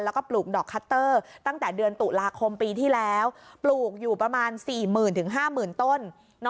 แล้วก็ปลูกดอกคัตเตอร์ตั้งแต่เดือนตุลาคมปีที่แล้วปลูกอยู่ประมาณ๔๐๐๐๕๐๐๐ต้น